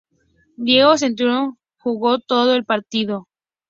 Diego Centurión jugó todo el partido.